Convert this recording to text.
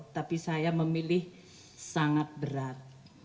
tapi saya memilih sangat berat